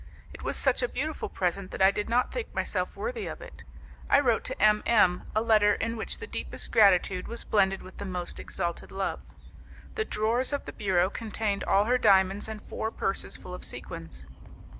It was such a beautiful present that I did not think myself worthy of it. I wrote to M M a letter in which the deepest gratitude was blended with the most exalted love. The drawers of the bureau contained all her diamonds and four purses full of sequins.